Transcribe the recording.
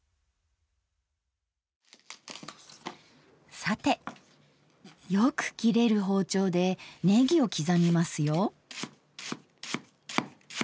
さてよく切れる包丁でねぎを刻みますよ。